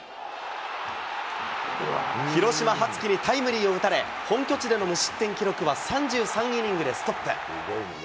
広島、羽月にタイムリーを打たれ、本拠地での無失点記録は３３イニングでストップ。